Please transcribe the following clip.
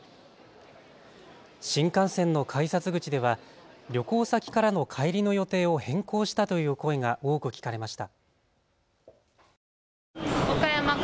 新幹線の改札口では旅行先からの帰りの予定を変更したという声が多く聞かれました。